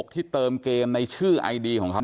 ที่เติมเกมในชื่อไอดีของเขา